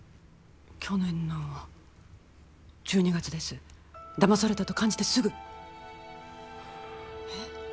去年の１２月ですだまされたと感じてすぐえっ？